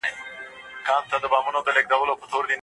د طب محصلین چيري عملي زده کړي کوي؟